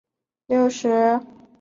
礁坡上生长着石珊瑚和软珊瑚。